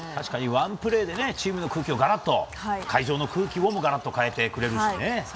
ワンプレーでチームの空気も会場の空気もガラッと変えてくれるしね。